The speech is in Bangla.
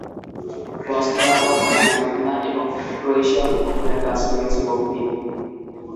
বসনিয়া ও হার্জেগোভিনা এবং ক্রোয়েশিয়ার উপকূলের কাছে রয়েছে বহু দ্বীপ।